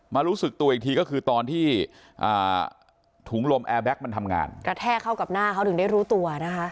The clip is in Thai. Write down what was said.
รู้สึกตัวอีกทีก็คือตอนที่ถุงลมแอร์แก๊กมันทำงานกระแทกเข้ากับหน้าเขาถึงได้รู้ตัวนะคะ